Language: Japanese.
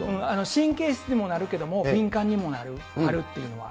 神経質にもなるけれども、敏感にもなる、春というのは。